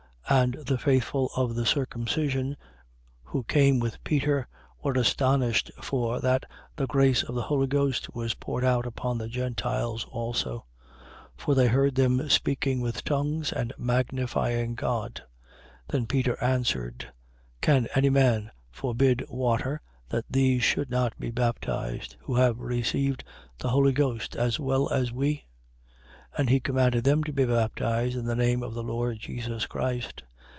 10:45. And the faithful of the circumcision, who came with Peter, were astonished for that the grace of the Holy Ghost was poured out upon the Gentiles also. 10:46. For they heard them speaking with tongues and magnifying God. 10:47. Then Peter answered: Can any man forbid water, that these should not be baptized, who have received the Holy Ghost, as well as we? 10:48. And he commanded them to be baptized in the name of the Lord Jesus Christ.